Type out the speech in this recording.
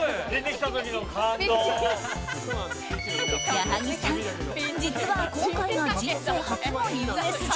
矢作さん、実は今回が人生初のＵＳＪ。